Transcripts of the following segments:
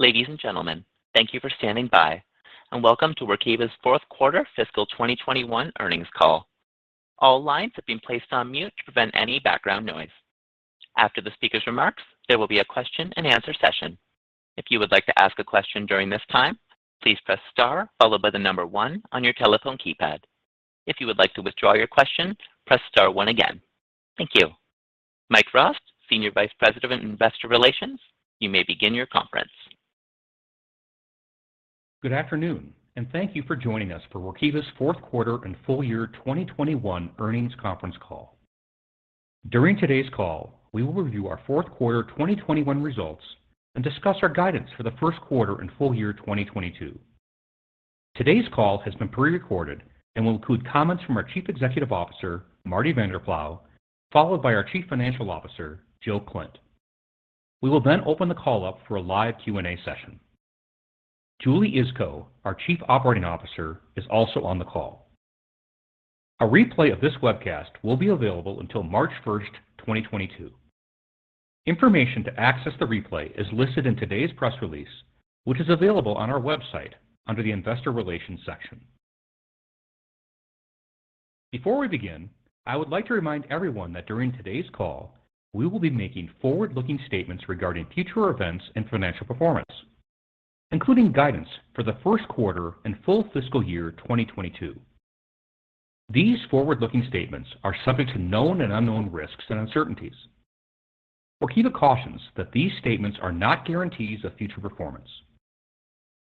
Ladies and gentlemen, thank you for standing by, and welcome to Workiva's Q4 Fiscal 2021 Earnings Call. All lines have been placed on mute to prevent any background noise. After the speaker's remarks, there will be a question-and-answer session. If you would like to ask a question during this time, please press star followed by the one on your telephone keypad. If you would like to withdraw your question, press star one again. Thank you. Mike Rost, Senior Vice President of Investor Relations, you may begin your conference. Good afternoon, and thank you for joining us for Workiva's Q4 and FY 2021 Earnings Conference Call. During today's call, we will review our fourth quarter 2021 results and discuss our guidance for the first quarter and full year 2022. Today's call has been prerecorded and will include comments from our Chief Executive Officer, Marty Vanderploeg, followed by our Chief Financial Officer, Jill Klindt. We will then open the call up for a live Q&A session. Julie Iskow, our Chief Operating Officer, is also on the call. A replay of this webcast will be available until March 1, 2022. Information to access the replay is listed in today's press release, which is available on our website under the Investor Relations section. Before we begin, I would like to remind everyone that during today's call, we will be making forward-looking statements regarding future events and financial performance, including guidance for the first quarter and full fiscal year 2022. These forward-looking statements are subject to known and unknown risks and uncertainties. Workiva cautions that these statements are not guarantees of future performance.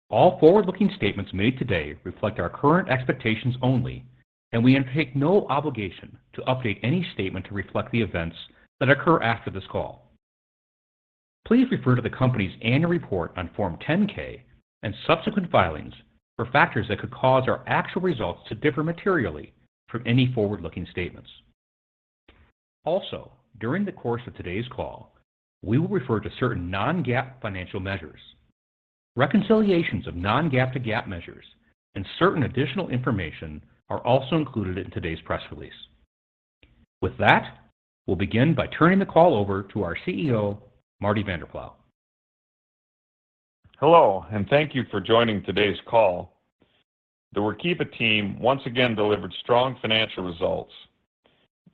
All forward-looking statements made today reflect our current expectations only, and we undertake no obligation to update any statement to reflect the events that occur after this call. Please refer to the company's annual report on Form 10-K and subsequent filings for factors that could cause our actual results to differ materially from any forward-looking statements. Also, during the course of today's call, we will refer to certain non-GAAP financial measures. Reconciliations of non-GAAP to GAAP measures and certain additional information are also included in today's press release. With that, we'll begin by turning the call over to our CEO, Marty Vanderploeg. Hello, and thank you for joining today's call. The Workiva team once again delivered strong financial results.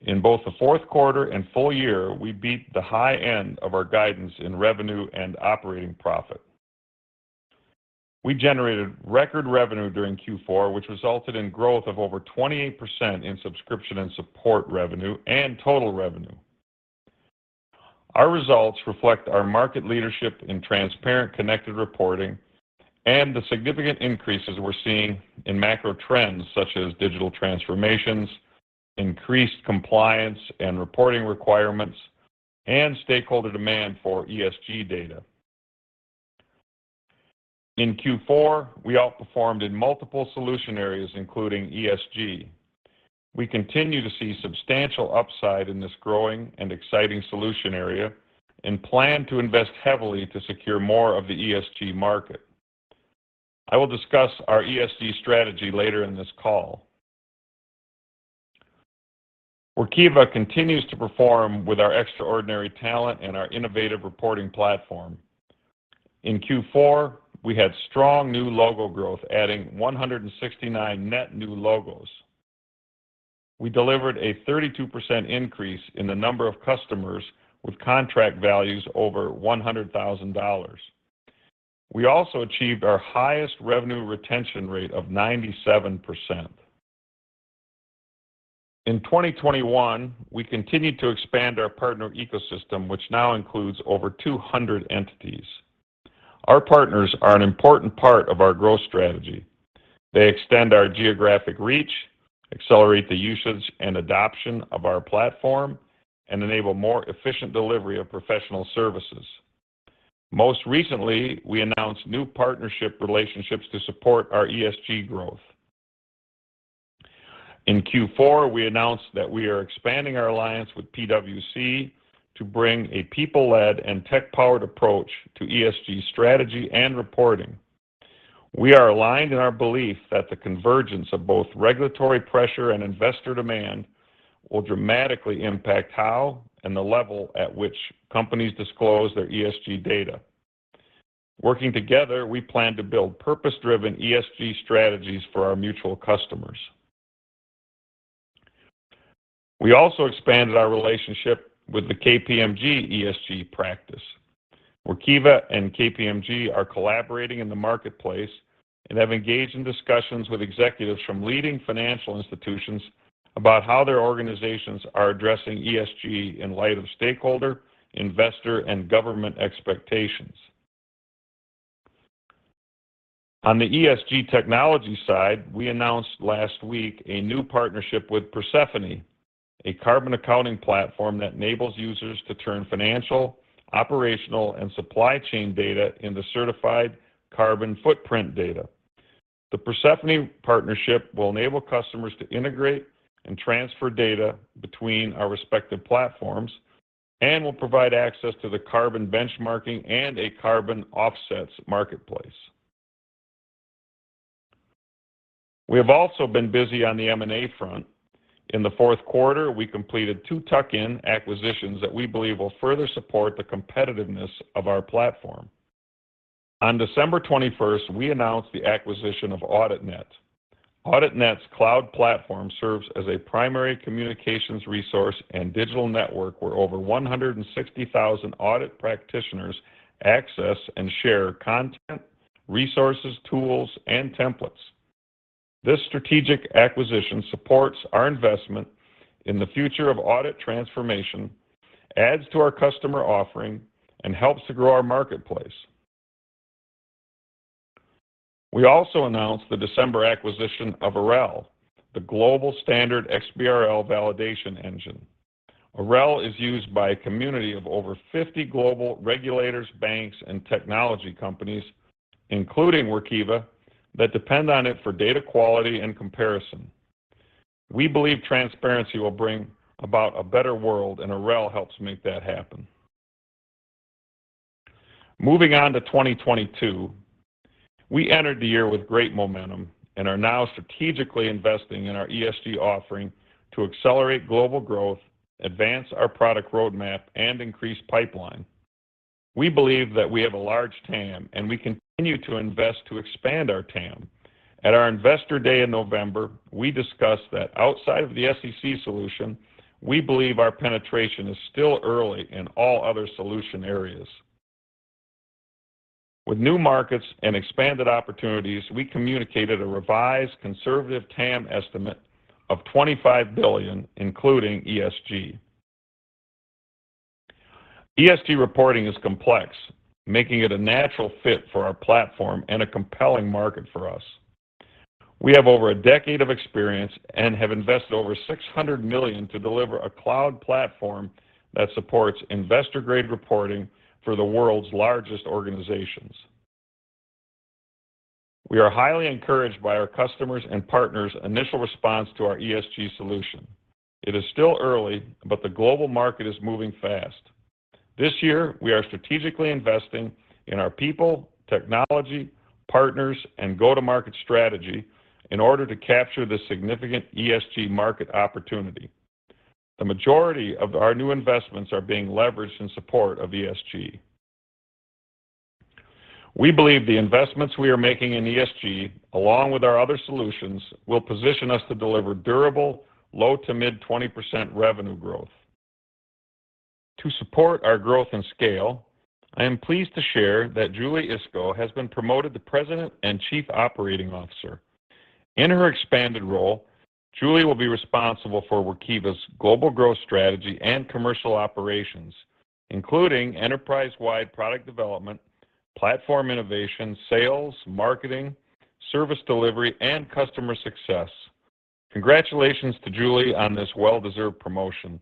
In both the fourth quarter and full year, we beat the high end of our guidance in revenue and operating profit. We generated record revenue during Q4, which resulted in growth of over 28% in subscription and support revenue and total revenue. Our results reflect our market leadership in transparent connected reporting and the significant increases we're seeing in macro trends such as digital transformations, increased compliance and reporting requirements, and stakeholder demand for ESG data. In Q4, we outperformed in multiple solution areas, including ESG. We continue to see substantial upside in this growing and exciting solution area and plan to invest heavily to secure more of the ESG market. I will discuss our ESG strategy later in this call. Workiva continues to perform with our extraordinary talent and our innovative reporting platform. In Q4, we had strong new logo growth, adding 169 net new logos. We delivered a 32% increase in the number of customers with contract values over $100,000. We also achieved our highest revenue retention rate of 97%. In 2021, we continued to expand our partner ecosystem, which now includes over 200 entities. Our partners are an important part of our growth strategy. They extend our geographic reach, accelerate the usage and adoption of our platform, and enable more efficient delivery of professional services. Most recently, we announced new partnership relationships to support our ESG growth. In Q4, we announced that we are expanding our alliance with PwC to bring a people-led and tech-powered approach to ESG strategy and reporting. We are aligned in our belief that the convergence of both regulatory pressure and investor demand will dramatically impact how and the level at which companies disclose their ESG data. Working together, we plan to build purpose-driven ESG strategies for our mutual customers. We also expanded our relationship with the KPMG ESG practice. Workiva and KPMG are collaborating in the marketplace and have engaged in discussions with executives from leading financial institutions about how their organizations are addressing ESG in light of stakeholder, investor, and government expectations. On the ESG technology side, we announced last week a new partnership with Persefoni, a carbon accounting platform that enables users to turn financial, operational, and supply chain data into certified carbon footprint data. The Persefoni partnership will enable customers to integrate and transfer data between our respective platforms and will provide access to the carbon benchmarking and a carbon offsets marketplace. We have also been busy on the M&A front. In the fourth quarter, we completed two tuck-in acquisitions that we believe will further support the competitiveness of our platform. On December 21, we announced the acquisition of AuditNet. AuditNet's cloud platform serves as a primary communications resource and digital network, where over 160,000 audit practitioners access and share content, resources, tools, and templates. This strategic acquisition supports our investment in the future of audit transformation, adds to our customer offering, and helps to grow our marketplace. We also announced the December acquisition of Arelle, the global standard XBRL validation engine. Arelle is used by a community of over 50 global regulators, banks, and technology companies, including Workiva, that depend on it for data quality and comparison. We believe transparency will bring about a better world, and Arelle helps make that happen. Moving on to 2022, we entered the year with great momentum and are now strategically investing in our ESG offering to accelerate global growth, advance our product roadmap, and increase pipeline. We believe that we have a large TAM, and we continue to invest to expand our TAM. At our Investor Day in November, we discussed that outside of the SEC solution, we believe our penetration is still early in all other solution areas. With new markets and expanded opportunities, we communicated a revised conservative TAM estimate of $25 billion, including ESG. ESG reporting is complex, making it a natural fit for our platform and a compelling market for us. We have over a decade of experience and have invested over $600 million to deliver a cloud platform that supports investor-grade reporting for the world's largest organizations. We are highly encouraged by our customers' and partners' initial response to our ESG solution. It is still early, but the global market is moving fast. This year, we are strategically investing in our people, technology, partners, and go-to-market strategy in order to capture the significant ESG market opportunity. The majority of our new investments are being leveraged in support of ESG. We believe the investments we are making in ESG, along with our other solutions, will position us to deliver durable low- to mid-20% revenue growth. To support our growth and scale, I am pleased to share that Julie Iskow has been promoted to President and Chief Operating Officer. In her expanded role, Julie will be responsible for Workiva's global growth strategy and commercial operations, including enterprise-wide product development, platform innovation, sales, marketing, service delivery, and customer success. Congratulations to Julie on this well-deserved promotion.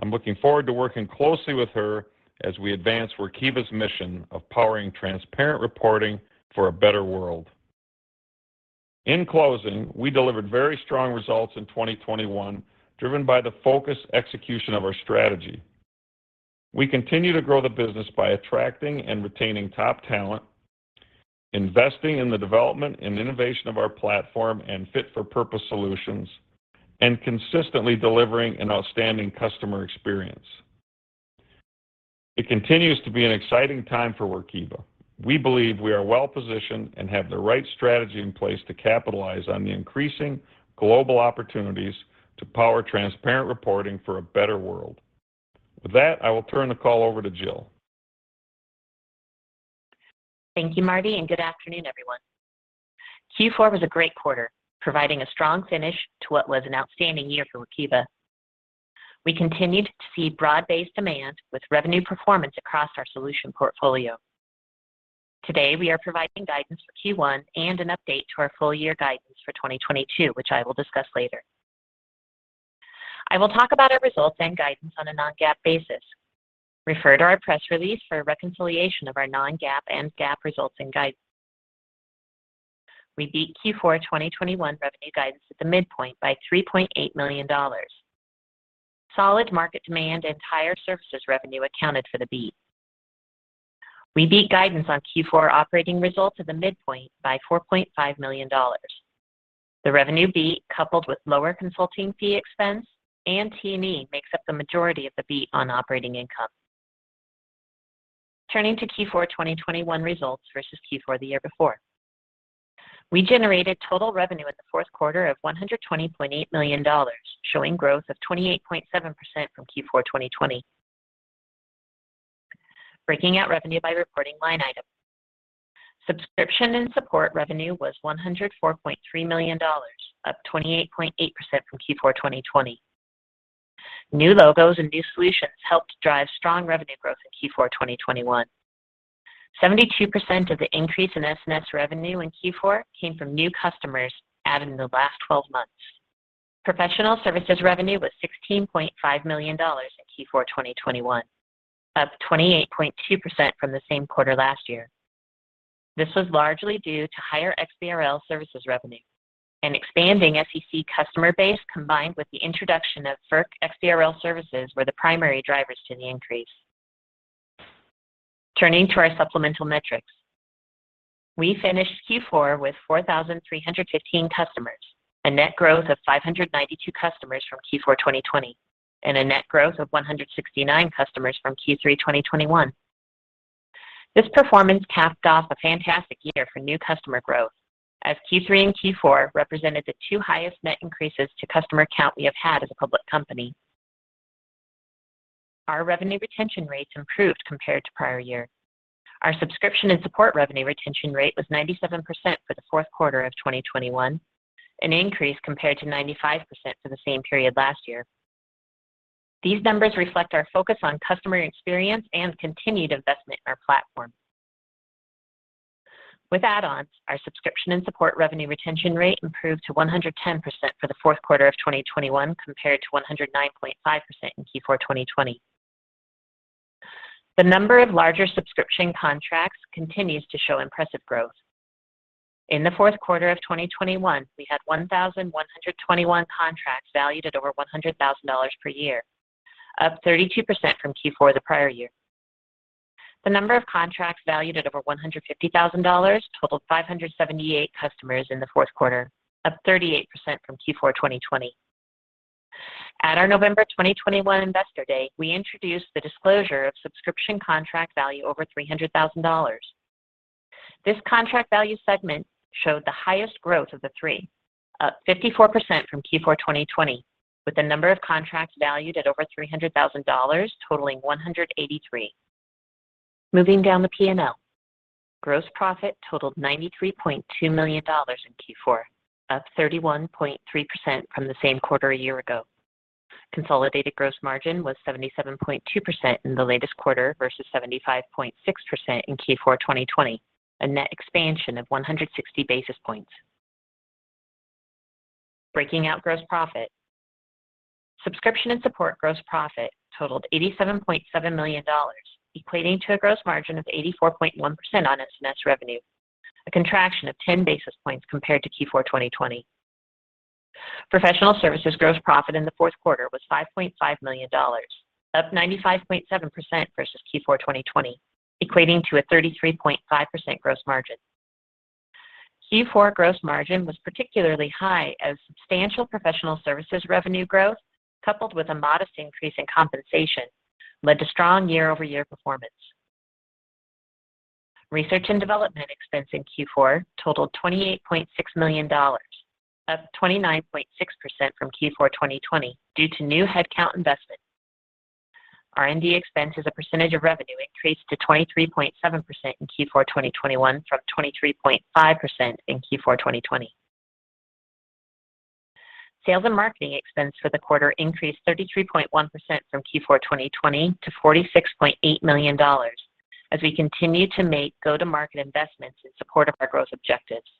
I'm looking forward to working closely with her as we advance Workiva's mission of powering transparent reporting for a better world. In closing, we delivered very strong results in 2021, driven by the focused execution of our strategy. We continue to grow the business by attracting and retaining top talent, investing in the development and innovation of our platform and fit-for-purpose solutions, and consistently delivering an outstanding customer experience. It continues to be an exciting time for Workiva. We believe we are well-positioned and have the right strategy in place to capitalize on the increasing global opportunities to power transparent reporting for a better world. With that, I will turn the call over to Jill. Thank you, Marty, and good afternoon, everyone. Q4 was a great quarter, providing a strong finish to what was an outstanding year for Workiva. We continued to see broad-based demand with revenue performance across our solution portfolio. Today, we are providing guidance for Q1 and an update to our full year guidance for 2022, which I will discuss later. I will talk about our results and guidance on a non-GAAP basis. Refer to our press release for a reconciliation of our non-GAAP and GAAP results and guidance. We beat Q4 2021 revenue guidance at the midpoint by $3.8 million. Solid market demand and higher services revenue accounted for the beat. We beat guidance on Q4 operating results at the midpoint by $4.5 million. The revenue beat, coupled with lower consulting fee expense and T&E, makes up the majority of the beat on operating income. Turning to Q4 2021 results versus Q4 the year before. We generated total revenue in the fourth quarter of $120.8 million, showing growth of 28.7% from Q4 2020. Breaking out revenue by reporting line item. Subscription and support revenue was $104.3 million, up 28.8% from Q4 2020. New logos and new solutions helped drive strong revenue growth in Q4 2021. 72% of the increase in SNS revenue in Q4 came from new customers added in the last twelve months. Professional services revenue was $16.5 million in Q4 2021, up 28.2% from the same quarter last year. This was largely due to higher XBRL services revenue. An expanding SEC customer base, combined with the introduction of FERC XBRL services, were the primary drivers to the increase. Turning to our supplemental metrics. We finished Q4 with 4,315 customers, a net growth of 592 customers from Q4 2020, and a net growth of 169 customers from Q3 2021. This performance capped off a fantastic year for new customer growth as Q3 and Q4 represented the two highest net increases to customer count we have had as a public company. Our revenue retention rates improved compared to prior year. Our subscription and support revenue retention rate was 97% for the fourth quarter of 2021, an increase compared to 95% for the same period last year. These numbers reflect our focus on customer experience and continued investment in our platform. With add-ons, our subscription and support revenue retention rate improved to 110% for the fourth quarter of 2021 compared to 109.5% in Q4 2020. The number of larger subscription contracts continues to show impressive growth. In the fourth quarter of 2021, we had 1,121 contracts valued at over $100,000 per year, up 32% from Q4 the prior year. The number of contracts valued at over $150,000 totaled 578 customers in the fourth quarter, up 38% from Q4 2020. At our November 2021 Investor Day, we introduced the disclosure of subscription contract value over $300,000. This contract value segment showed the highest growth of the three, up 54% from Q4 2020, with the number of contracts valued at over $300,000 totaling 183. Moving down the P&L. Gross profit totaled $93.2 million in Q4, up 31.3% from the same quarter a year ago. Consolidated gross margin was 77.2% in the latest quarter versus 75.6% in Q4 2020, a net expansion of 160 basis points. Breaking out gross profit. Subscription and support gross profit totaled $87.7 million, equating to a gross margin of 84.1% on SNS revenue, a contraction of 10 basis points compared to Q4 2020. Professional services gross profit in the fourth quarter was $5.5 million, up 95.7% versus Q4 2020, equating to a 33.5% gross margin. Q4 gross margin was particularly high as substantial professional services revenue growth, coupled with a modest increase in compensation, led to strong year-over-year performance. Research and development expense in Q4 totaled $28.6 million, up 29.6% from Q4 2020 due to new headcount investment. R&D expense as a percentage of revenue increased to 23.7% in Q4 2021 from 23.5% in Q4 2020. Sales and marketing expense for the quarter increased 33.1% from Q4 2020 to $46.8 million as we continue to make go-to-market investments in support of our growth objectives.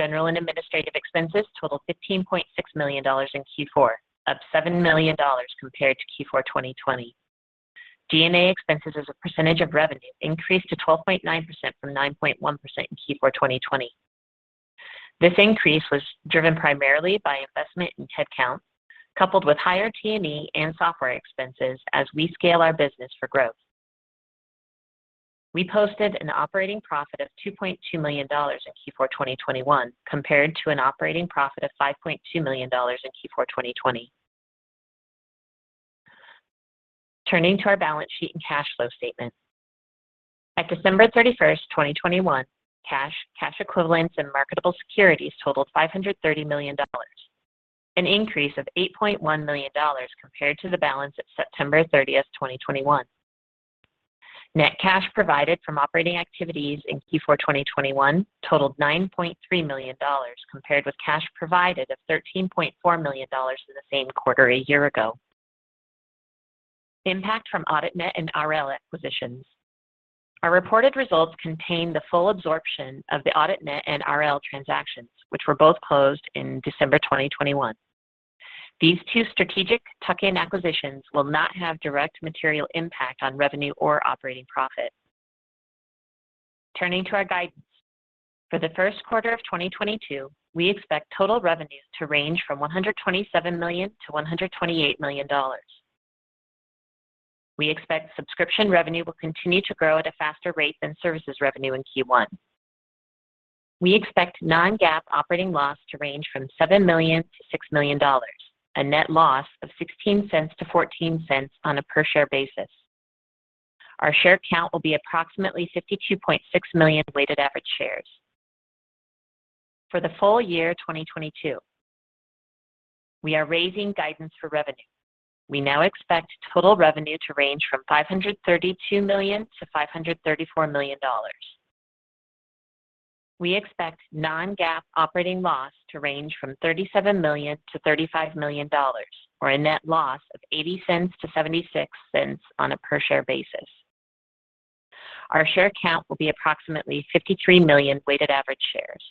General and administrative expenses totaled $15.6 million in Q4, up $7 million compared to Q4 2020. G&A expenses as a percentage of revenue increased to 12.9% from 9.1% in Q4 2020. This increase was driven primarily by investment in headcount, coupled with higher T&E and software expenses as we scale our business for growth. We posted an operating profit of $2.2 million in Q4 2021 compared to an operating profit of $5.2 million in Q4 2020. Turning to our balance sheet and cash flow statement. At December 31, 2021, cash equivalents and marketable securities totaled $530 million, an increase of $8.1 million compared to the balance at September 30, 2021. Net cash provided from operating activities in Q4 2021 totaled $9.3 million compared with cash provided of $13.4 million in the same quarter a year ago. Impact from AuditNet and Arelle acquisitions. Our reported results contain the full absorption of the AuditNet and Arelle transactions, which were both closed in December 2021. These two strategic tuck-in acquisitions will not have direct material impact on revenue or operating profit. Turning to our guidance. For the first quarter of 2022, we expect total revenues to range from $127 million-$128 million. We expect subscription revenue will continue to grow at a faster rate than services revenue in Q1. We expect non-GAAP operating loss to range from $7 million-$6 million, a net loss of $0.16-$0.14 on a per share basis. Our share count will be approximately 52.6 million weighted average shares. For the full year 2022, we are raising guidance for revenue. We now expect total revenue to range from $532 million-$534 million. We expect non-GAAP operating loss to range from $37 million-$35 million, or a net loss of $0.80-$0.76 on a per share basis. Our share count will be approximately 53 million weighted average shares.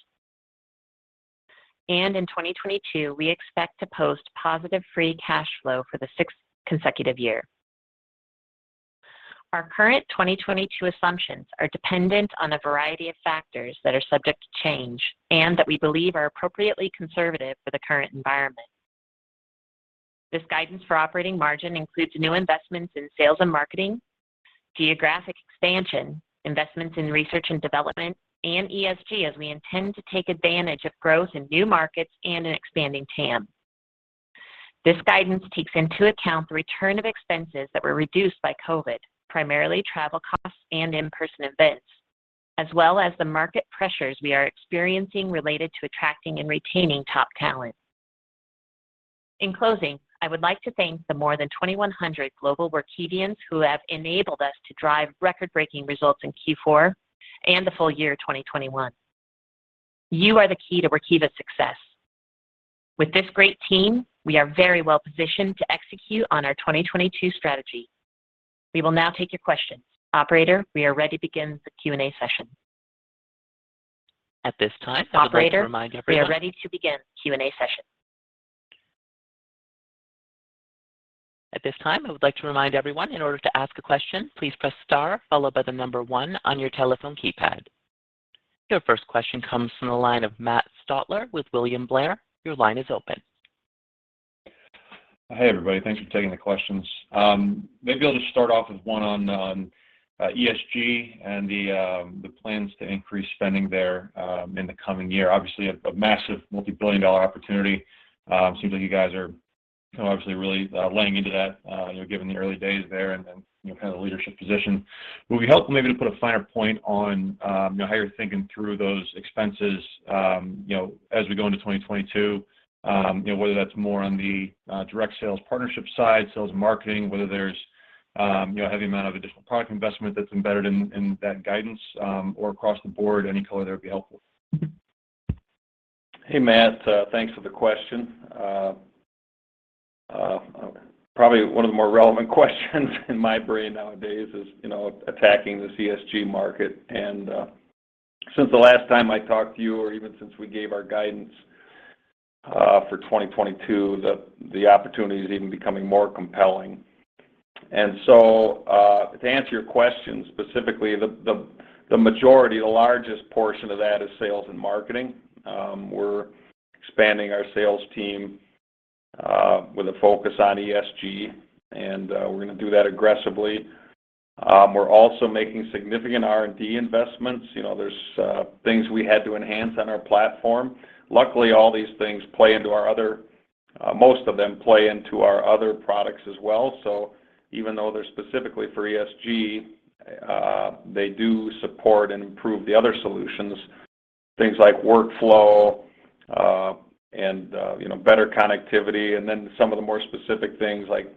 In 2022, we expect to post positive free cash flow for the sixth consecutive year. Our current 2022 assumptions are dependent on a variety of factors that are subject to change and that we believe are appropriately conservative for the current environment. This guidance for operating margin includes new investments in sales and marketing, geographic expansion, investments in research and development, and ESG, as we intend to take advantage of growth in new markets and an expanding TAM. This guidance takes into account the return of expenses that were reduced by COVID, primarily travel costs and in-person events, as well as the market pressures we are experiencing related to attracting and retaining top talent. In closing, I would like to thank the more than 2,100 global Workivians who have enabled us to drive record-breaking results in Q4 and the full year 2021. You are the key to Workiva's success. With this great team, we are very well positioned to execute on our 2022 strategy. We will now take your questions. Operator, we are ready to begin the Q&A session. At this time, I would like to remind everyone. Operator, we are ready to begin Q&A session. At this time, I would like to remind everyone, in order to ask a question, please press star followed by the number one on your telephone keypad. Your first question comes from the line of Matt Stotler with William Blair. Your line is open. Hey, everybody. Thanks for taking the questions. Maybe I'll just start off with one on ESG and the plans to increase spending there in the coming year. Obviously a massive multi-billion dollar opportunity. Seems like you guys are obviously really laying into that, you know, given the early days there and then, you know, kind of the leadership position. Would it be helpful maybe to put a finer point on, you know, how you're thinking through those expenses, you know, as we go into 2022, you know, whether that's more on the direct sales partnership side, sales and marketing, whether there's, you know, a heavy amount of additional product investment that's embedded in that guidance, or across the board, any color there would be helpful. Hey, Matt. Thanks for the question. Probably one of the more relevant questions in my brain nowadays is, you know, attacking the ESG market. Since the last time I talked to you or even since we gave our guidance for 2022, the opportunity is even becoming more compelling. To answer your question, specifically, the majority, the largest portion of that is sales and marketing. We're expanding our sales team with a focus on ESG, and we're gonna do that aggressively. We're also making significant R&D investments. You know, there's things we had to enhance on our platform. Luckily, most of them play into our other products as well. Even though they're specifically for ESG, they do support and improve the other solutions, things like workflow, and you know, better connectivity, and then some of the more specific things like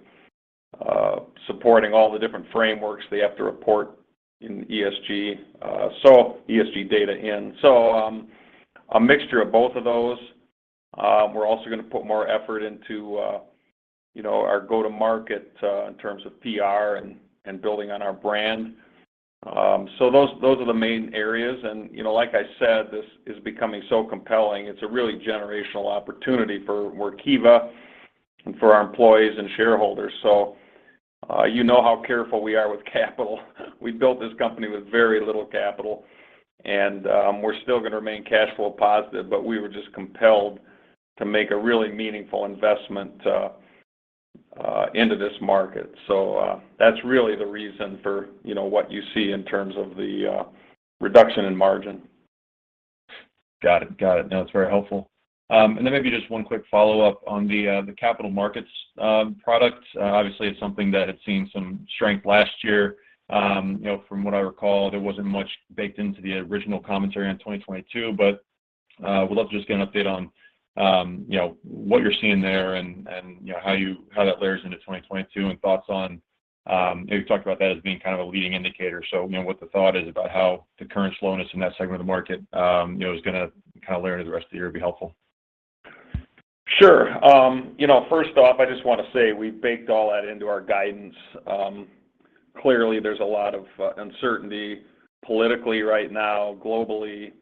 supporting all the different frameworks they have to report in ESG data in. A mixture of both of those. We're also gonna put more effort into you know, our go-to-market in terms of PR and building on our brand. Those are the main areas. You know, like I said, this is becoming so compelling. It's a really generational opportunity for Workiva and for our employees and shareholders. You know how careful we are with capital. We built this company with very little capital, and we're still gonna remain cash flow positive, but we were just compelled to make a really meaningful investment into this market. That's really the reason for, you know, what you see in terms of the reduction in margin. Got it. No, it's very helpful. Maybe just one quick follow-up on the capital markets product. Obviously, it's something that had seen some strength last year. You know, from what I recall, there wasn't much baked into the original commentary on 2022, but would love to just get an update on you know, what you're seeing there and you know, how that layers into 2022 and thoughts on you know, you talked about that as being kind of a leading indicator. You know, what the thought is about how the current slowness in that segment of the market you know, is gonna kind of layer into the rest of the year would be helpful. Sure. You know, first off, I just wanna say we baked all that into our guidance. Clearly, there's a lot of uncertainty politically right now, globally,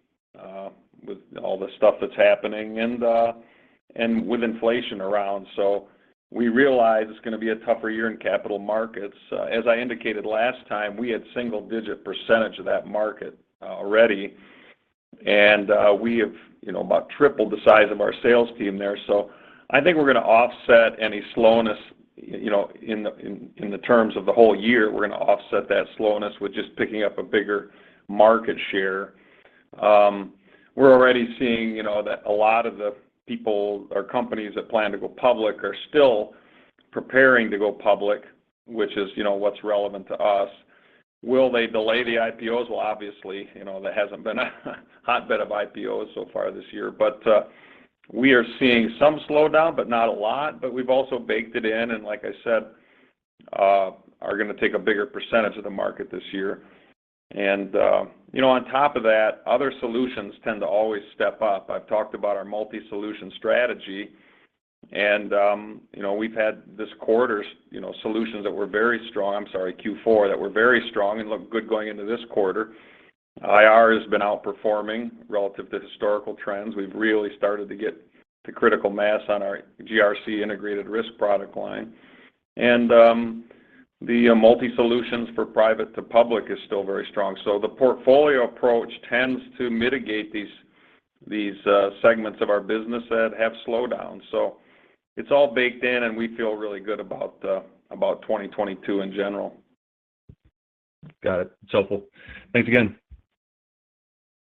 with all the stuff that's happening and with inflation around. We realize it's gonna be a tougher year in capital markets. As I indicated last time, we had single-digit percentage of that market already. We have, you know, about tripled the size of our sales team there. I think we're gonna offset any slowness, you know, in terms of the whole year. We're gonna offset that slowness with just picking up a bigger market share. We're already seeing, you know, that a lot of the people or companies that plan to go public are still preparing to go public, which is, you know, what's relevant to us. Will they delay the IPOs? Well, obviously, you know, there hasn't been a hotbed of IPOs so far this year. We are seeing some slowdown, but not a lot. We've also baked it in, and like I said, are gonna take a bigger percentage of the market this year. On top of that, other solutions tend to always step up. I've talked about our multi-solution strategy, and we've had Q4 solutions that were very strong and look good going into this quarter. IR has been outperforming relative to historical trends. We've really started to get the critical mass on our GRC integrated risk product line. The multi-solutions for private to public is still very strong. The portfolio approach tends to mitigate these segments of our business that have slowed down. It's all baked in, and we feel really good about 2022 in general. Got it. It's helpful. Thanks again.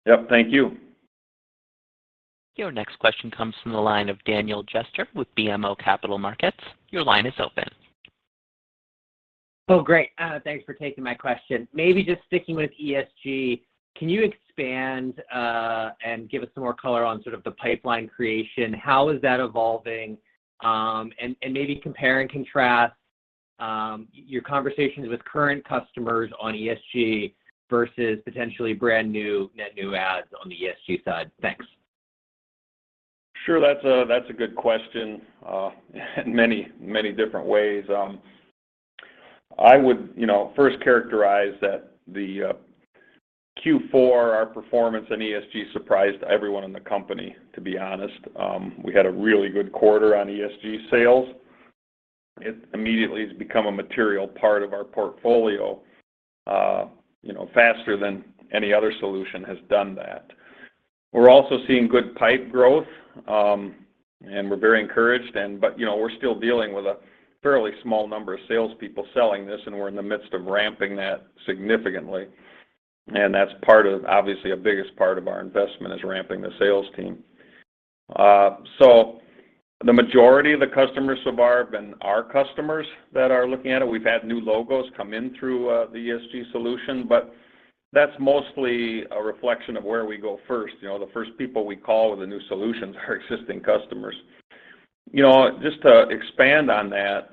Yep. Thank you. Your next question comes from the line of Daniel Jester with BMO Capital Markets. Your line is open. Oh, great. Thanks for taking my question. Maybe just sticking with ESG, can you expand and give us some more color on sort of the pipeline creation? How is that evolving? Maybe compare and contrast your conversations with current customers on ESG versus potentially brand-new, net new adds on the ESG side. Thanks. Sure. That's a good question in many different ways. I would, you know, first characterize that the Q4, our performance in ESG surprised everyone in the company, to be honest. We had a really good quarter on ESG sales. It immediately has become a material part of our portfolio, you know, faster than any other solution has done that. We're also seeing good pipe growth, and we're very encouraged, but, you know, we're still dealing with a fairly small number of salespeople selling this, and we're in the midst of ramping that significantly. That's part of, obviously, the biggest part of our investment is ramping the sales team. So the majority of the customers so far have been our customers that are looking at it. We've had new logos come in through the ESG solution, but that's mostly a reflection of where we go first. You know, the first people we call with the new solutions are existing customers. You know, just to expand on that,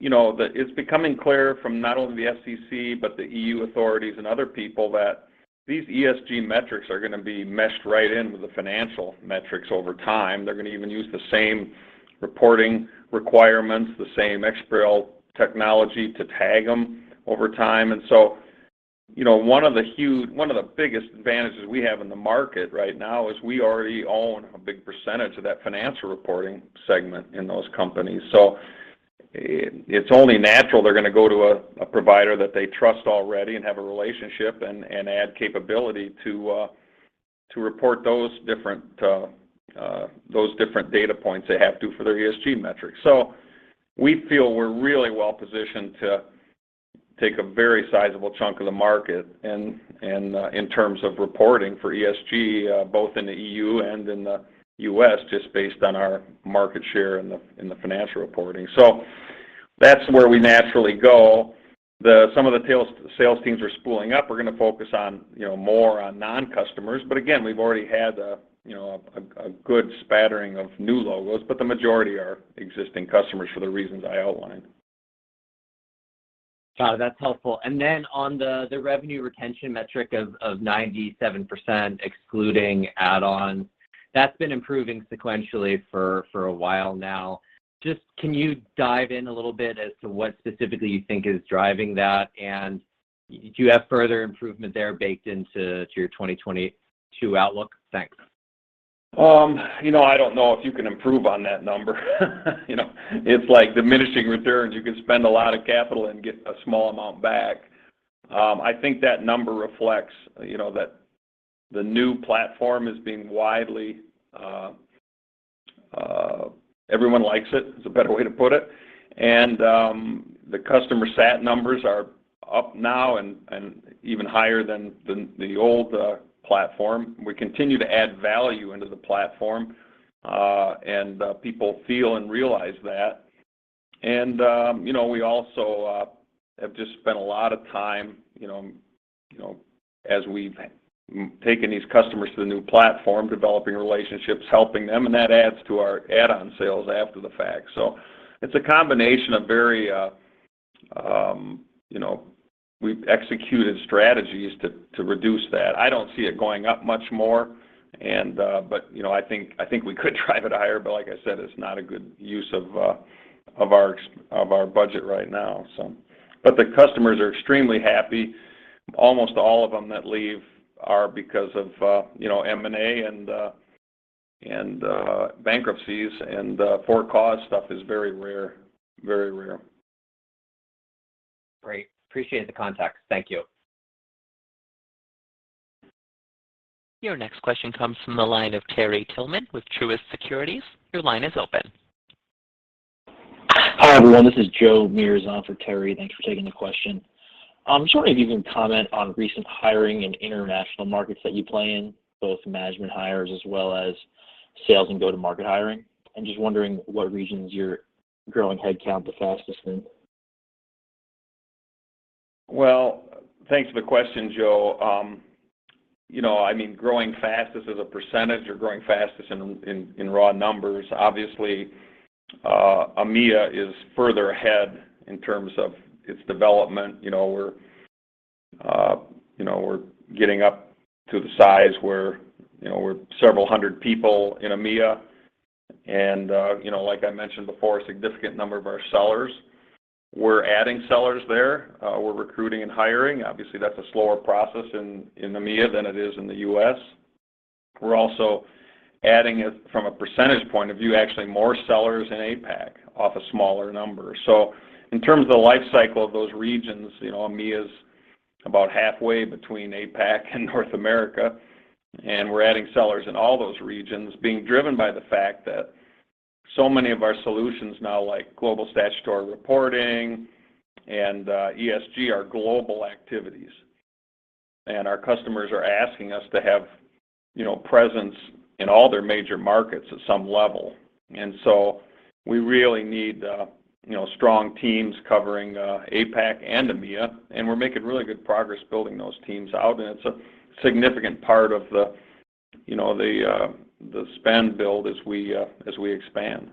you know, it's becoming clear from not only the SEC, but the EU authorities and other people that these ESG metrics are gonna be meshed right in with the financial metrics over time. They're gonna even use the same reporting requirements, the same XBRL technology to tag them over time. You know, one of the biggest advantages we have in the market right now is we already own a big percentage of that financial reporting segment in those companies. It's only natural they're gonna go to a provider that they trust already and have a relationship and add capability to report those different data points they have to for their ESG metrics. We feel we're really well positioned to take a very sizable chunk of the market and in terms of reporting for ESG both in the E.U. and in the U.S., just based on our market share in the financial reporting. That's where we naturally go. Some of the sales teams are spooling up. We're gonna focus on, you know, more on non-customers. Again, we've already had, you know, a good smattering of new logos, but the majority are existing customers for the reasons I outlined. Got it. That's helpful. On the revenue retention metric of 97%, excluding add-ons, that's been improving sequentially for a while now. Just, can you dive in a little bit as to what specifically you think is driving that? Do you have further improvement there baked into your 2022 outlook? Thanks. You know, I don't know if you can improve on that number. You know, it's like diminishing returns. You can spend a lot of capital and get a small amount back. I think that number reflects, you know, that everyone likes it. It's a better way to put it. The customer sat numbers are up now and even higher than the old platform. We continue to add value into the platform, and people feel and realize that. You know, we also have just spent a lot of time, you know, as we've taken these customers to the new platform, developing relationships, helping them, and that adds to our add-on sales after the fact. It's a combination of very, you know, we've executed strategies to reduce that. I don't see it going up much more. You know, I think we could drive it higher, but like I said, it's not a good use of our budget right now. The customers are extremely happy. Almost all of them that leave are because of, you know, M&A and bankruptcies, and for-cause stuff is very rare. Great. Appreciate the context. Thank you. Your next question comes from the line of Terry Tillman with Truist Securities. Your line is open. Hi, everyone. This is Joe Martin for Terry. Thanks for taking the question. Just wondering if you can comment on recent hiring in international markets that you play in, both management hires as well as sales and go-to-market hiring. I'm just wondering what regions you're growing headcount the fastest in. Well, thanks for the question, Joe. You know, I mean, growing fastest as a percentage or growing fastest in raw numbers? Obviously, EMEA is further ahead in terms of its development. You know, we're getting up to the size where, you know, we're several hundred people in EMEA and, you know, like I mentioned before, a significant number of our sellers. We're adding sellers there. We're recruiting and hiring. Obviously, that's a slower process in EMEA than it is in the U.S. We're also adding it from a percentage point of view, actually more sellers in APAC off a smaller number. In terms of the life cycle of those regions, you know, EMEA is about halfway between APAC and North America, and we're adding sellers in all those regions, being driven by the fact that so many of our solutions now, like global statutory reporting and ESG, are global activities. Our customers are asking us to have, you know, presence in all their major markets at some level. We really need, you know, strong teams covering APAC and EMEA, and we're making really good progress building those teams out, and it's a significant part of the, you know, the spend build as we expand.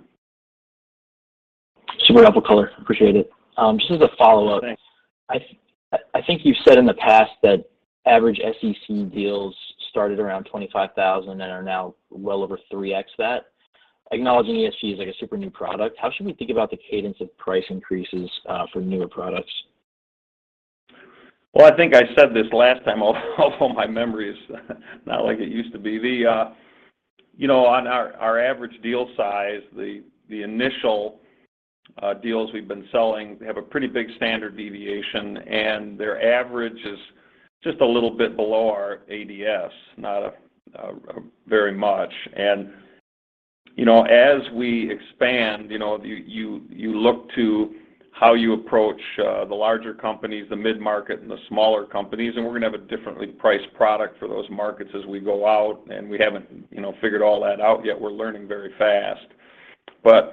Super helpful color, appreciate it. Just as a follow-up. Thanks. I think you've said in the past that average SEC deals started around $25,000 and are now well over 3x that. Acknowledging ESG is, like, a super new product, how should we think about the cadence of price increases for newer products? Well, I think I said this last time, although my memory is not like it used to be. You know, on our average deal size, the initial deals we've been selling have a pretty big standard deviation, and their average is just a little bit below our ADS, not very much. You know, as we expand, you know, you look to how you approach the larger companies, the mid-market, and the smaller companies, and we're gonna have a differently priced product for those markets as we go out, and we haven't, you know, figured all that out yet. We're learning very fast.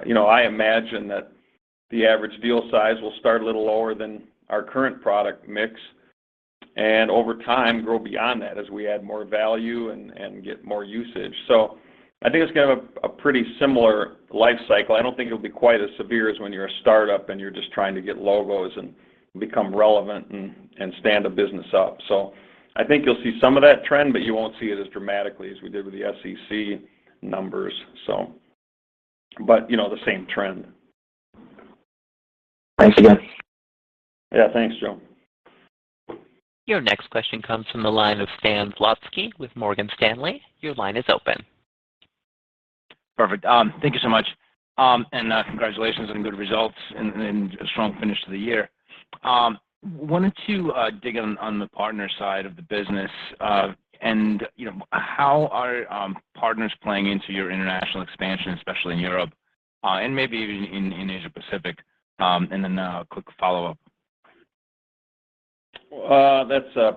You know, I imagine that the average deal size will start a little lower than our current product mix, and over time, grow beyond that as we add more value and get more usage. I think it's kind of a pretty similar life cycle. I don't think it'll be quite as severe as when you're a startup, and you're just trying to get logos and become relevant and stand a business up. I think you'll see some of that trend, but you won't see it as dramatically as we did with the SEC numbers, so. You know, the same trend. Thanks again. Yeah. Thanks, Joe. Your next question comes from the line of Stan Zlotsky with Morgan Stanley. Your line is open. Perfect. Thank you so much. Congratulations on the good results and a strong finish to the year. I wanted to dig in on the partner side of the business. You know, how are partners playing into your international expansion, especially in Europe, and maybe even in Asia Pacific? A quick follow-up. Well, that's a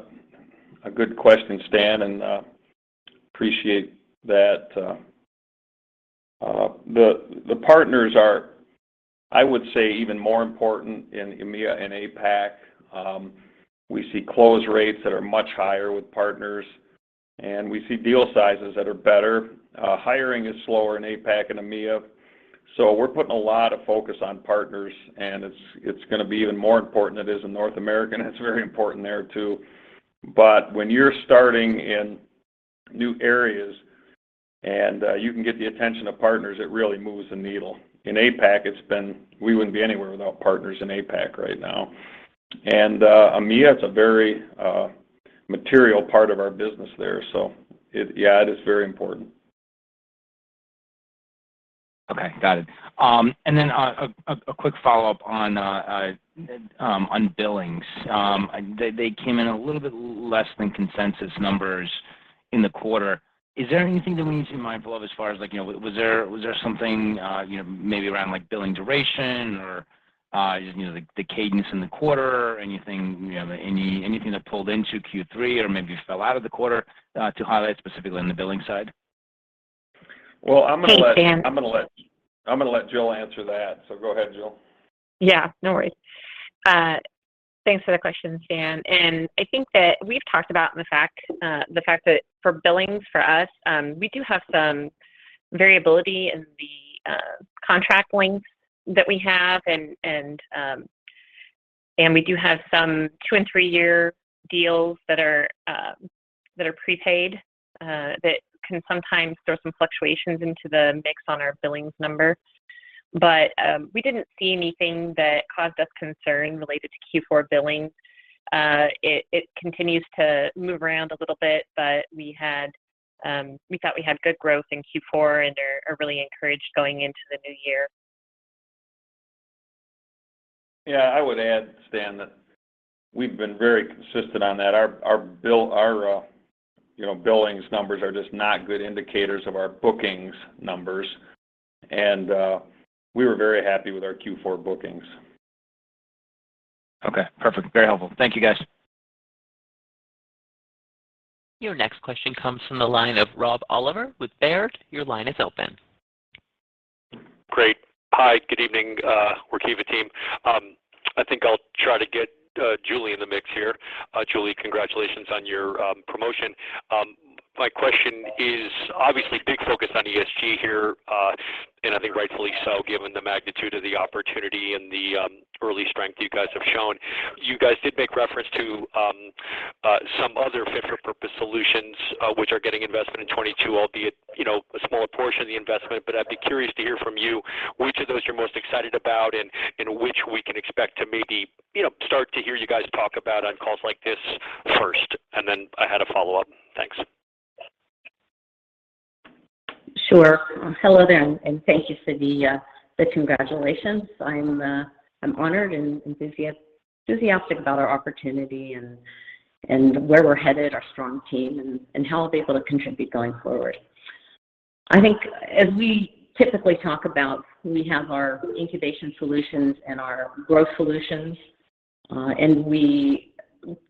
good question, Stan, and I appreciate that. The partners are, I would say, even more important in EMEA and APAC. We see close rates that are much higher with partners, and we see deal sizes that are better. Hiring is slower in APAC and EMEA, so we're putting a lot of focus on partners, and it's gonna be even more important than it is in North America, and it's very important there, too. When you're starting in new areas, and you can get the attention of partners, it really moves the needle. In APAC, we wouldn't be anywhere without partners in APAC right now. In EMEA, it's a very material part of our business there, so it is very important. Okay. Got it. A quick follow-up on billings. They came in a little bit less than consensus numbers in the quarter. Is there anything that we need to be mindful of as far as, like, you know, was there something, you know, maybe around, like, billing duration or, you know, the cadence in the quarter? Anything, you know, anything that pulled into Q3 or maybe fell out of the quarter, to highlight specifically on the billing side? Well, I'm gonna let Hey, Stan. I'm gonna let Jill answer that. Go ahead, Jill. Yeah. No worries. Thanks for the question, Stan. I think that we've talked about the fact that for billings for us, we do have some variability in the contract lengths that we have. We do have some two and three-year deals that are prepaid that can sometimes throw some fluctuations into the mix on our billings number. We didn't see anything that caused us concern related to Q4 billings. It continues to move around a little bit, but we thought we had good growth in Q4 and are really encouraged going into the new year. Yeah. I would add, Stan, that we've been very consistent on that. Our billings numbers are just not good indicators of our bookings numbers, and we were very happy with our Q4 bookings. Okay. Perfect. Very helpful. Thank you, guys. Your next question comes from the line of Rob Oliver with Baird. Your line is open. Great. Hi, good evening, Workiva team. I think I'll try to get Julie in the mix here. Julie, congratulations on your promotion. My question is obviously big focus on ESG here, and I think rightfully so, given the magnitude of the opportunity and the early strength you guys have shown. You guys did make reference to some other fit-for-purpose solutions, which are getting investment in 2022, albeit you know, a smaller portion of the investment. I'd be curious to hear from you which of those you're most excited about and which we can expect to maybe you know, start to hear you guys talk about on calls like this first. I had a follow-up. Thanks. Sure. Hello there, and thank you for the congratulations. I'm honored and enthusiastic about our opportunity and where we're headed, our strong team, and how I'll be able to contribute going forward. I think as we typically talk about, we have our incubation solutions and our growth solutions, and we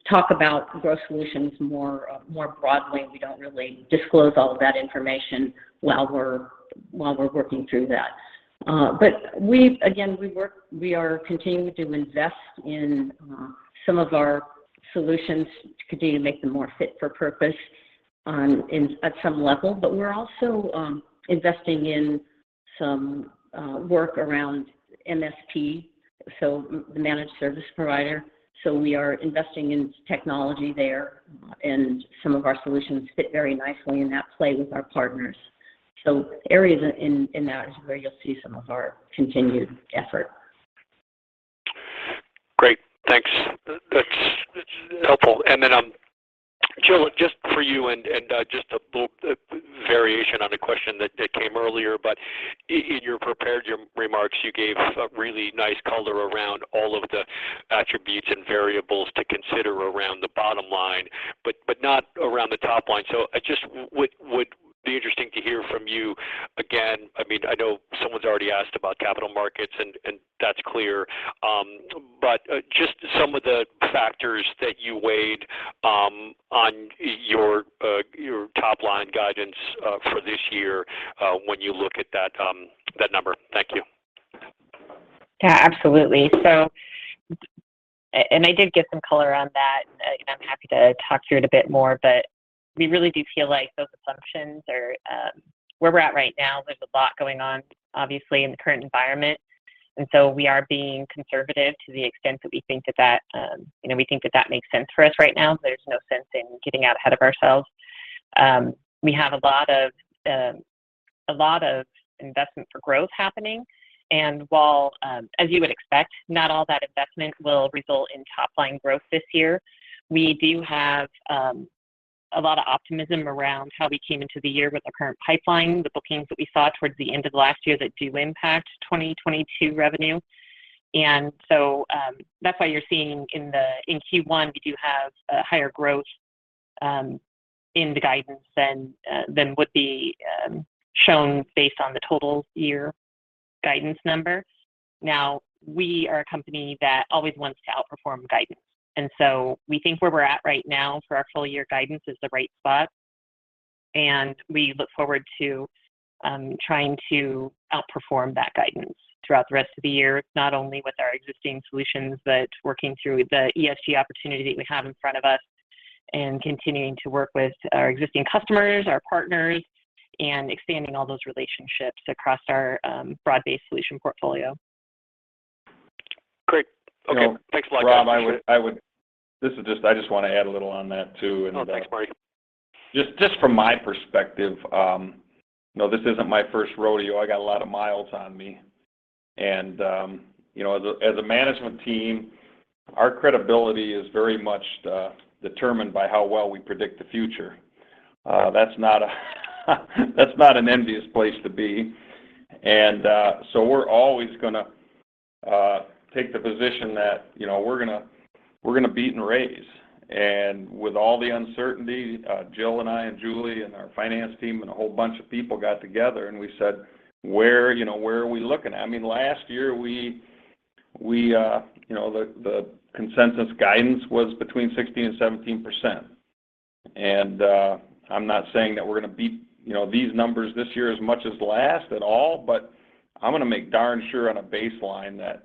talk about growth solutions more broadly. We don't really disclose all of that information while we're working through that. But we are continuing to invest in some of our solutions to continue to make them more fit for purpose at some level. But we're also investing in some work around MSP, so the managed service provider. We are investing in technology there, and some of our solutions fit very nicely in that play with our partners. Areas in that is where you'll see some of our continued effort. Great. Thanks. That's helpful. Jill, just for you, just a little variation on a question that came earlier. In your prepared remarks, you gave a really nice color around all of the attributes and variables to consider around the bottom line but not around the top line. Would be interesting to hear from you again. I mean, I know someone's already asked about capital markets and that's clear. Just some of the factors that you weighed on your top-line guidance for this year when you look at that number. Thank you. Yeah, absolutely. I did give some color on that, and I'm happy to talk through it a bit more. We really do feel like those assumptions are where we're at right now. There's a lot going on obviously in the current environment, and so we are being conservative to the extent that we think that makes sense for us right now. There's no sense in getting out ahead of ourselves. We have a lot of investment for growth happening, while, as you would expect, not all that investment will result in top-line growth this year. We do have a lot of optimism around how we came into the year with our current pipeline, the bookings that we saw towards the end of last year that do impact 2022 revenue. That's why you're seeing in Q1 we do have a higher growth in the guidance than would be shown based on the total year guidance number. Now, we are a company that always wants to outperform guidance. We think where we're at right now for our full year guidance is the right spot, and we look forward to trying to outperform that guidance throughout the rest of the year, not only with our existing solutions, but working through the ESG opportunity that we have in front of us and continuing to work with our existing customers, our partners, and expanding all those relationships across our broad-based solution portfolio. Great. Okay. Thanks a lot. Appreciate it. Rob, I just want to add a little on that too and Oh, thanks Marty. Just from my perspective, you know, this isn't my first rodeo. I got a lot of miles on me. You know, as a management team, our credibility is very much determined by how well we predict the future. That's not an envious place to be. We're always gonna take the position that, you know, we're gonna beat and raise. With all the uncertainty, Jill and I and Julie and our finance team and a whole bunch of people got together and we said, "Where are we looking?" I mean, last year the consensus guidance was between 16%-17%. I'm not saying that we're gonna beat, you know, these numbers this year as much as last at all, but I'm gonna make darn sure on a baseline that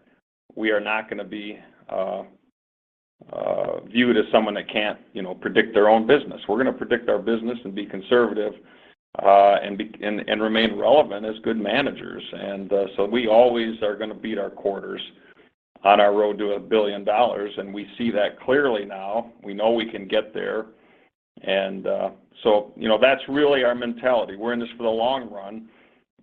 we are not gonna be viewed as someone that can't, you know, predict their own business. We're gonna predict our business and be conservative, and remain relevant as good managers. We always are gonna beat our quarters on our road to $1 billion, and we see that clearly now. We know we can get there. That's really our mentality. We're in this for the long run.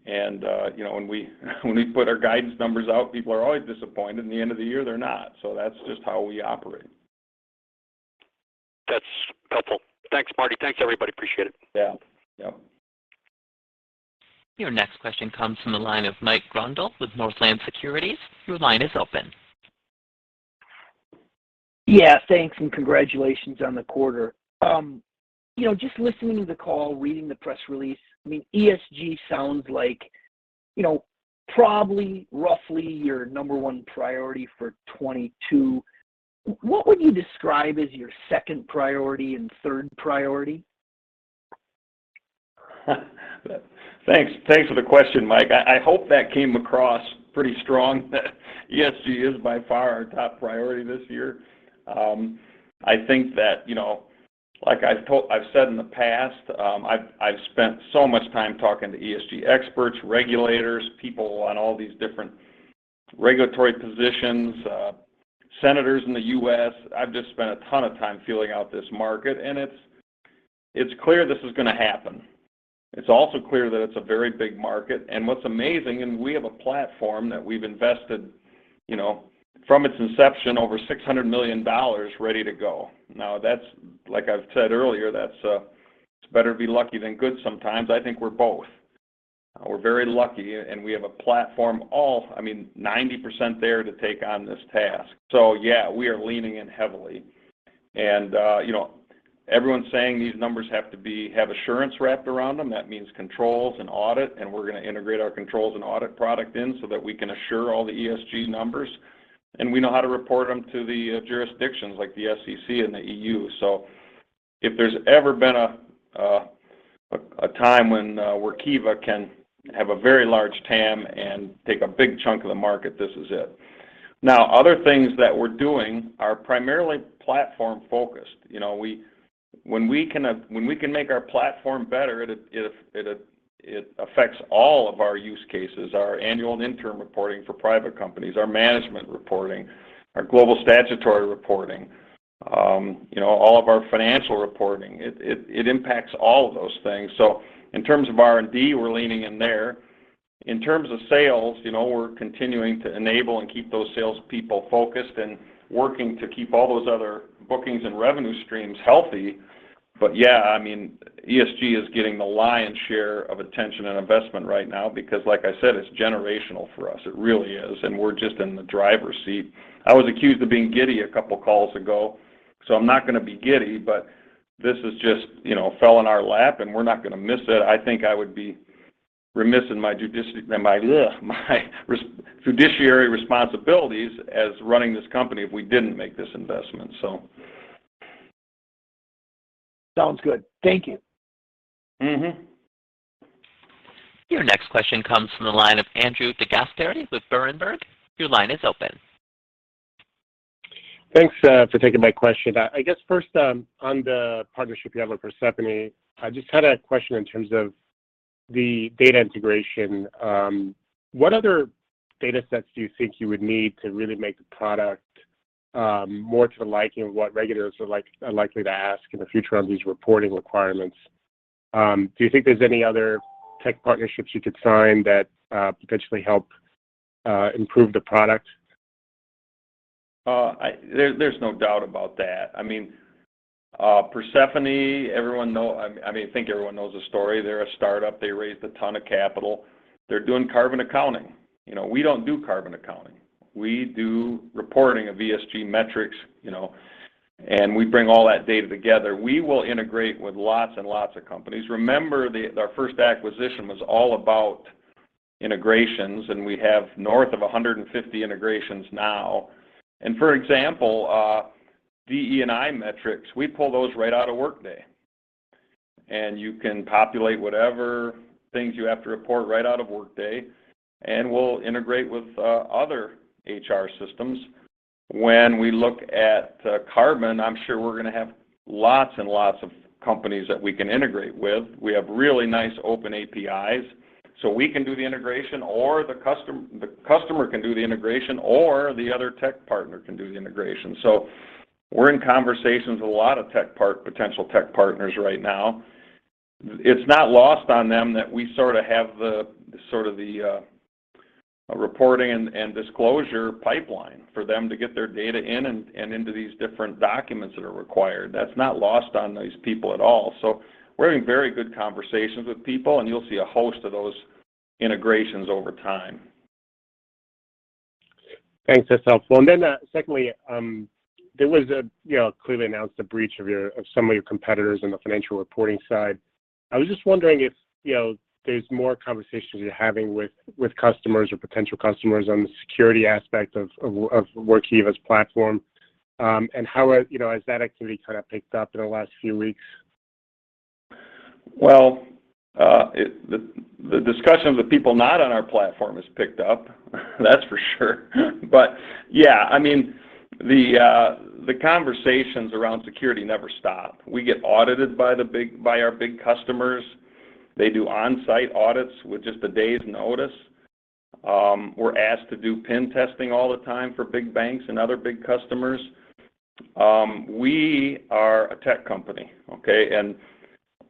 When we put our guidance numbers out, people are always disappointed, and at the end of the year they're not. That's just how we operate. That's helpful. Thanks, Marty. Thanks, everybody. Appreciate it. Yeah. Yep. Your next question comes from the line of Mike Grondahl with Northland Securities. Your line is open. Yeah. Thanks, and congratulations on the quarter. You know, just listening to the call, reading the press release, I mean, ESG sounds like, you know, probably roughly your number one priority for 2022. What would you describe as your second priority and third priority? Thanks. Thanks for the question, Mike. I hope that came across pretty strong that ESG is by far our top priority this year. I think that, you know, like I've said in the past, I've spent so much time talking to ESG experts, regulators, people on all these different regulatory positions, senators in the U.S. I've just spent a ton of time feeling out this market, and it's clear this is gonna happen. It's also clear that it's a very big market. What's amazing, we have a platform that we've invested, you know, from its inception, over $600 million ready to go. Now that's, like I've said earlier, it's better to be lucky than good sometimes. I think we're both. We're very lucky, and we have a platform all. I mean, 90% there to take on this task. Yeah, we are leaning in heavily. You know, everyone's saying these numbers have assurance wrapped around them. That means controls and audit, and we're going to integrate our controls and audit product in so that we can assure all the ESG numbers. We know how to report them to the jurisdictions like the SEC and the EU. If there's ever been a time when Workiva can have a very large TAM and take a big chunk of the market, this is it. Now, other things that we're doing are primarily platform-focused. You know, when we can make our platform better, it affects all of our use cases, our annual and interim reporting for private companies, our management reporting, our global statutory reporting, you know, all of our financial reporting. It impacts all of those things. In terms of R&D, we're leaning in there. In terms of sales, you know, we're continuing to enable and keep those sales people focused and working to keep all those other bookings and revenue streams healthy. Yeah, I mean, ESG is getting the lion's share of attention and investment right now because like I said, it's generational for us. It really is. We're just in the driver's seat. I was accused of being giddy a couple of calls ago, so I'm not going to be giddy, but this is just, you know, fell in our lap, and we're not going to miss it. I think I would be remiss in my fiduciary responsibilities as running this company if we didn't make this investment, so. Sounds good. Thank you. Mm-hmm. Your next question comes from the line of Andrew DeGasperi with Berenberg. Your line is open. Thanks for taking my question. I guess first, on the partnership you have with Persefoni, I just had a question in terms of the data integration. What other datasets do you think you would need to really make the product more to the liking of what regulators are likely to ask in the future on these reporting requirements? Do you think there's any other tech partnerships you could sign that potentially help improve the product? There's no doubt about that. I mean, Persefoni, I think everyone knows the story. They're a startup. They raised a ton of capital. They're doing carbon accounting. You know, we don't do carbon accounting. We do reporting of ESG metrics, you know, and we bring all that data together. We will integrate with lots and lots of companies. Remember, our first acquisition was all about integrations, and we have north of 150 integrations now. For example, DE&I metrics, we pull those right out of Workday. You can populate whatever things you have to report right out of Workday, and we'll integrate with other HR systems. When we look at carbon, I'm sure we're going to have lots and lots of companies that we can integrate with. We have really nice open APIs, so we can do the integration or the customer can do the integration or the other tech partner can do the integration. We're in conversations with a lot of potential tech partners right now. It's not lost on them that we sort of have the reporting and disclosure pipeline for them to get their data in and into these different documents that are required. That's not lost on these people at all. We're having very good conversations with people, and you'll see a host of those integrations over time. Thanks. That's helpful. Secondly, there was, you know, clearly an announced breach of some of your competitors in the financial reporting side. I was just wondering if, you know, there's more conversations you're having with customers or potential customers on the security aspect of Workiva's platform, and how, you know, has that activity kind of picked up in the last few weeks? Well, the discussion with the people not on our platform has picked up, that's for sure. Yeah, I mean, the conversations around security never stop. We get audited by our big customers. They do on-site audits with just a day's notice. We're asked to do pen testing all the time for big banks and other big customers. We are a tech company, okay?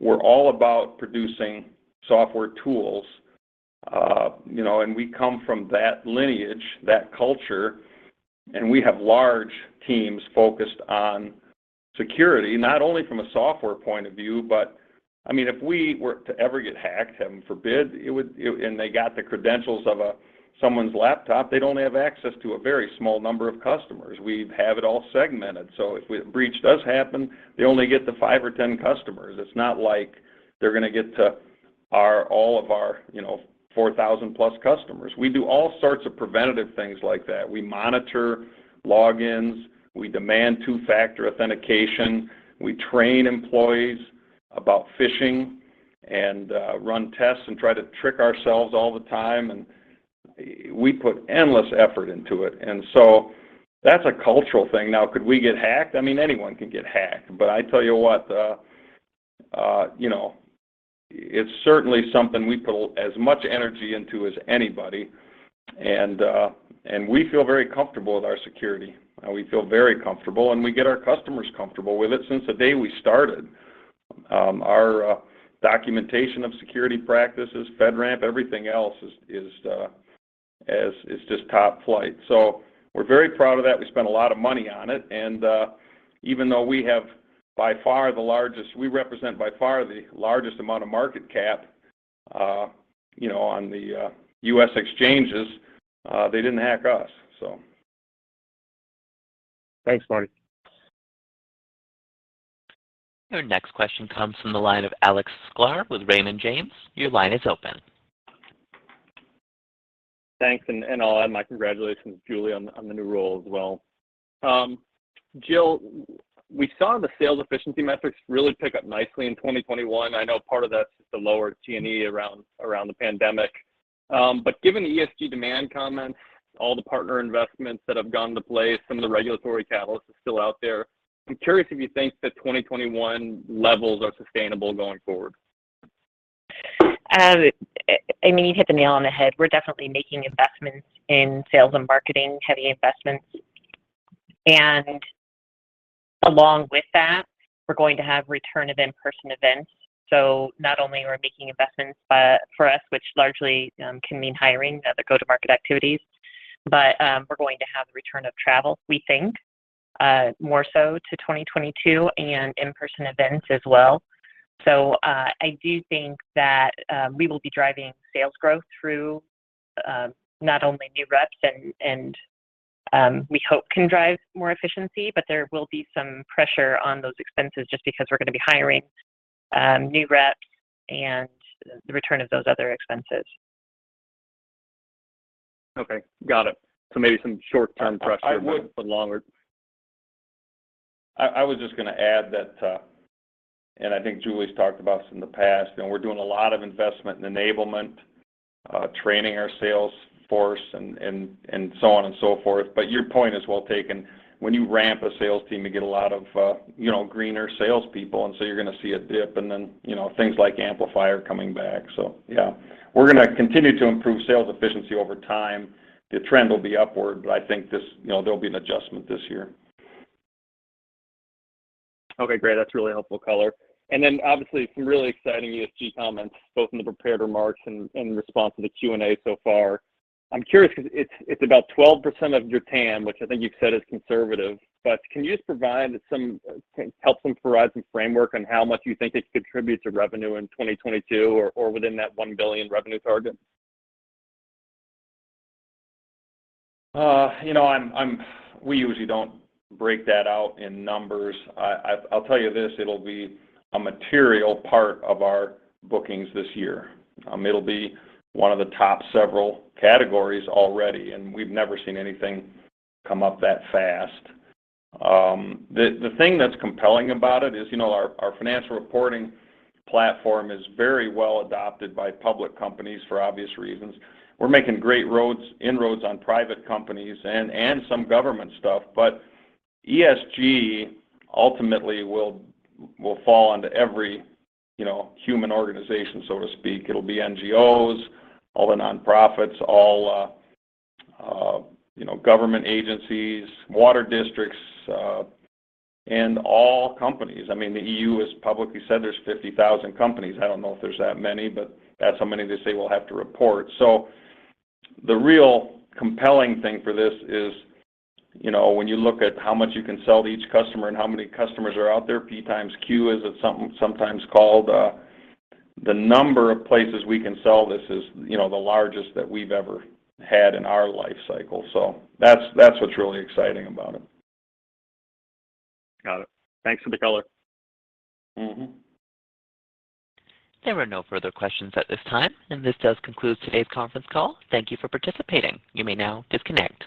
We're all about producing software tools, you know, and we come from that lineage, that culture, and we have large teams focused on security, not only from a software point of view, but, I mean, if we were to ever get hacked, heaven forbid, and they got the credentials of someone's laptop, they'd only have access to a very small number of customers. We have it all segmented, so if a breach does happen, they only get the five or 10 customers. It's not like they're going to get to all of our, you know, 4,000+ customers. We do all sorts of preventative things like that. We monitor logins, we demand two-factor authentication, we train employees about phishing and run tests and try to trick ourselves all the time, and we put endless effort into it. That's a cultural thing. Now, could we get hacked? I mean, anyone could get hacked, but I tell you what, you know, it's certainly something we put as much energy into as anybody, and we feel very comfortable with our security. We feel very comfortable, and we get our customers comfortable with it since the day we started. Our documentation of security practices, FedRAMP, everything else is just top flight. We're very proud of that. We spent a lot of money on it, and even though we represent by far the largest amount of market cap, you know, on the U.S. exchanges, they didn't hack us. Thanks, Marty. Your next question comes from the line of Alex Sklar with Raymond James. Your line is open. Thanks, I'll add my congratulations, Julie, on the new role as well. Jill, we saw the sales efficiency metrics really pick up nicely in 2021. I know part of that's just the lower T&E around the pandemic. Given the ESG demand comments, all the partner investments that have gone into place, some of the regulatory catalyst is still out there, I'm curious if you think that 2021 levels are sustainable going forward. I mean, you hit the nail on the head. We're definitely making investments in sales and marketing, heavy investments. Along with that, we're going to have return of in-person events. Not only we're making investments, but for us, which largely can mean hiring other go-to-market activities, but we're going to have the return of travel, we think, more so to 2022 and in-person events as well. I do think that we will be driving sales growth through not only new reps and we hope can drive more efficiency, but there will be some pressure on those expenses just because we're gonna be hiring new reps and the return of those other expenses. Okay. Got it. Maybe some short-term pressure longer. I would, I was just gonna add that, and I think Julie's talked about this in the past, and we're doing a lot of investment in enablement, training our sales force and so on and so forth, but your point is well taken. When you ramp a sales team, you get a lot of, you know, greener salespeople, and so you're gonna see a dip and then, you know, things like Amplify coming back. Yeah. We're gonna continue to improve sales efficiency over time. The trend will be upward, but I think this, you know, there'll be an adjustment this year. Okay. Great. That's really helpful color. Obviously some really exciting ESG comments both in the prepared remarks and in response to the Q&A so far. I'm curious because it's about 12% of your TAM, which I think you've said is conservative, but can you just provide some framework on how much you think this contributes to revenue in 2022 or within that $1 billion revenue target? You know, we usually don't break that out in numbers. I'll tell you this, it'll be a material part of our bookings this year. It'll be one of the top several categories already, and we've never seen anything come up that fast. The thing that's compelling about it is, you know, our financial reporting platform is very well adopted by public companies for obvious reasons. We're making great inroads on private companies and some government stuff, but ESG ultimately will fall onto every human organization, so to speak. It'll be NGOs, all the nonprofits, you know, government agencies, water districts, and all companies. I mean, the EU has publicly said there's 50,000 companies. I don't know if there's that many, but that's how many they say we'll have to report. The real compelling thing for this is, you know, when you look at how much you can sell to each customer and how many customers are out there, P times Q as it's sometimes called, the number of places we can sell this is, you know, the largest that we've ever had in our life cycle. That's what's really exciting about it. Got it. Thanks for the color. Mm-hmm. There are no further questions at this time, and this does conclude today's conference call. Thank you for participating. You may now disconnect.